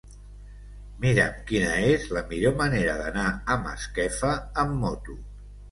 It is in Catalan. Mira'm quina és la millor manera d'anar a Masquefa amb moto.